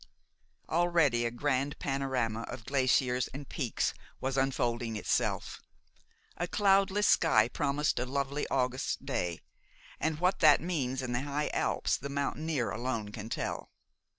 Already a grand panorama of glaciers and peaks was unfolding itself. A cloudless sky promised a lovely August day, and what that means in the high Alps the mountaineer alone can tell.